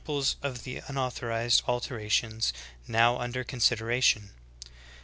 pies of the unauthorized alterations now under considera tion.